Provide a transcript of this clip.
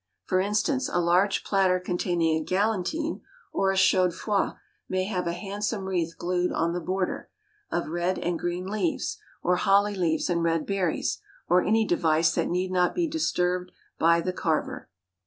For instance, a large platter containing a galantine or a chaudfroid may have a handsome wreath glued on the border, of red and green leaves, or holly leaves and red berries, or any device that need not be disturbed by the carver.